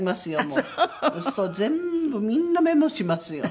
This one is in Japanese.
そうすると全部みんなメモしますよ。